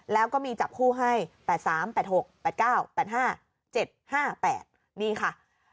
แล้วก็มีจับคู่ให้๘๓๘๖๘๙๘๕๗๕๘นี่ค่ะ